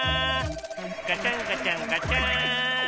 ガチャンガチャンガチャン！